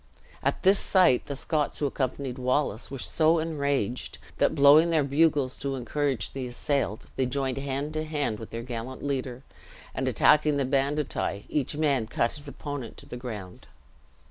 At this sight, the Scots who accompanied Wallace were so enraged that, blowing their bugles to encourage the assailed, they joined hand to hand with their gallant leader, and attacking the banditti, each man cut his opponent to the ground.